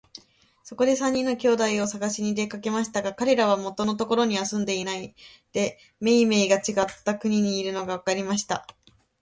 そこで三人の兄弟をさがしに出かけましたが、かれらは元のところには住んでいないで、めいめいちがった国にいるのがわかりました。